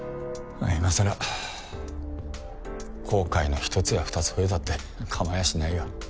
今さら後悔の１つや２つ増えたってかまやしないよ。